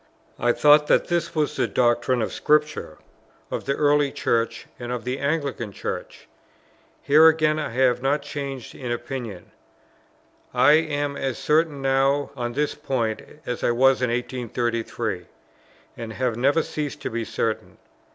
I thought that this was the doctrine of Scripture, of the early Church, and of the Anglican Church. Here again, I have not changed in opinion; I am as certain now on this point as I was in 1833, and have never ceased to be certain.